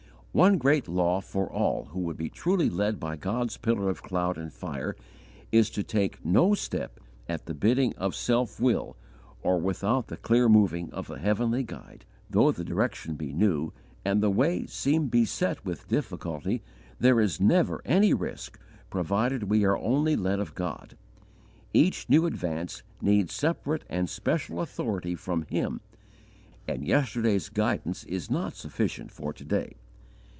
One great law for all who would be truly led by God's Pillar of cloud and fire, is to take no step at the bidding of self will or without the clear moving of the heavenly Guide. Though the direction be new and the way seem beset with difficulty, there is never any risk, provided we are only led of God. Each new advance needs separate and special authority from Him, and yesterday's guidance is not sufficient for to day.